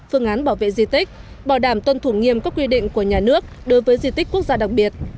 phương án bảo vệ di tích bảo đảm tuân thủ nghiêm các quy định của nhà nước đối với di tích quốc gia đặc biệt